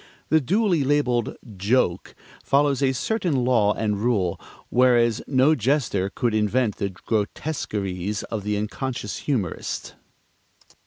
The duly labeled "joke" follows a certain law and rule; whereas no jester could invent the grotesqueries of the unconscious humorist.